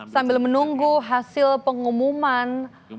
sambil menunggu hasil pengumuman